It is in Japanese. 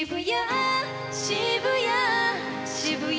「渋谷